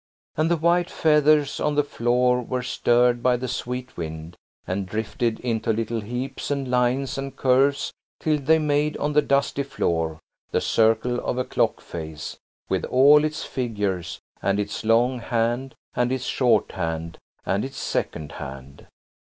And the white feathers on the floor were stirred by the sweet wind, and drifted into little heaps and lines and curves till they made on the dusty floor the circle of a clock face, with all its figures and its long hand and its short hand and its second hand.